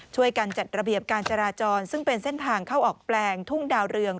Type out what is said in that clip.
ช่วยกันจัดระเบียบการจราจรซึ่งเป็นเส้นทางเข้าออกแปลงทุ่งดาวเรือง